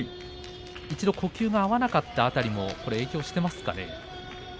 一度、呼吸が合わなかった辺りも影響していますかね。